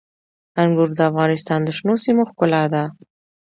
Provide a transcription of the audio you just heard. انګور د افغانستان د شنو سیمو ښکلا ده.